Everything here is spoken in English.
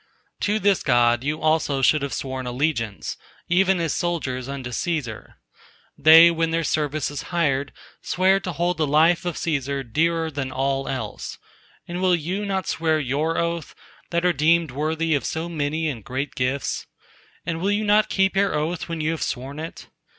To this God you also should have sworn allegiance, even as soldiers unto Cæsar. They, when their service is hired, swear to hold the life of Cæsar dearer than all else: and will you not swear your oath, that are deemed worthy of so many and great gifts? And will you not keep your oath when you have sworn it?